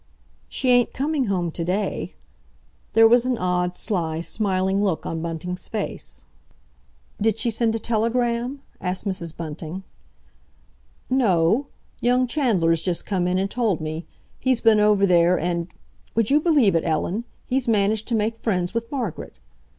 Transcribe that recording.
"She ain't coming home to day"—there was an odd, sly, smiling look on Bunting's face. "Did she send a telegram?" asked Mrs. Bunting. "No. Young Chandler's just come in and told me. He's been over there and,—would you believe it, Ellen?—he's managed to make friends with Margaret.